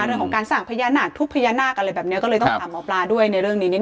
เรื่องของการสั่งพญานาคทุกพญานาคอะไรแบบนี้ก็เลยต้องถามหมอปลาด้วยในเรื่องนี้นิน